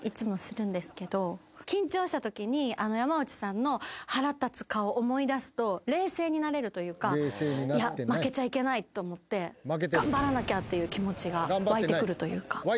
緊張したときに山内さんの腹立つ顔思い出すと冷静になれるというかいや負けちゃいけないと思って頑張らなきゃっていう気持ちが湧いてくるというか。